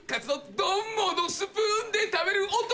丼ものスプーンで食べる男